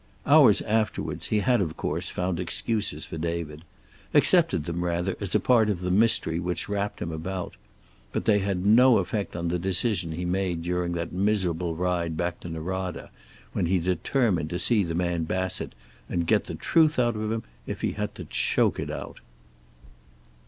Hours afterwards he had, of course, found excuses for David. Accepted them, rather, as a part of the mystery which wrapped him about. But they had no effect on the decision he made during that miserable ride back to Norada, when he determined to see the man Bassett and get the truth out of him if he had to choke it out.